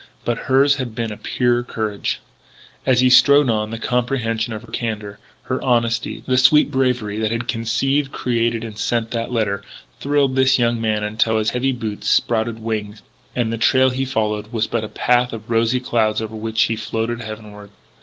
But hers had been a purer courage. As he strode on, the comprehension of her candour, her honesty, the sweet bravery that had conceived, created, and sent that letter, thrilled this young man until his heavy boots sprouted wings, and the trail he followed was but a path of rosy clouds over which he floated heavenward.